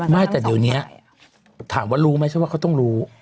ไม่แต่เดี๋ยวนี้ถามว่ารู้ไหมฉันว่าเขาต้องรู้